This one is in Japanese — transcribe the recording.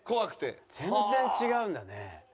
全然違うんだね。